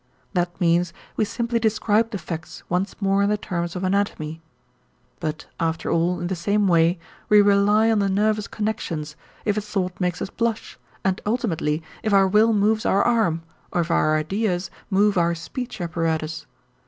That means we simply describe the facts once more in the terms of anatomy. But after all in the same way we rely on the nervous connections, if a thought makes us blush and ultimately if our will moves our arm or if our ideas move our speech apparatus.